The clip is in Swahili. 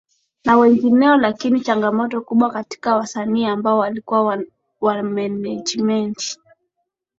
na wengineo Lakini changamoto kubwa katika wasanii ambao walikuwa wanamenejimenti